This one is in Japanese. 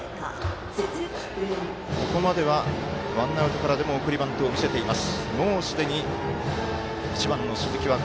ここまではワンアウトからでも送りバントを見せています。